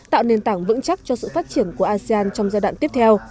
tạo nền tảng vững chắc cho sự phát triển của asean trong giai đoạn tiếp theo